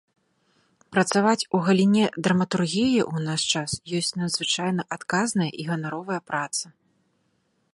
Працаваць у галіне драматургіі ў наш час ёсць надзвычайна адказная і ганаровая праца.